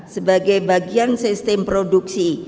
sebagai bagian sistem produksi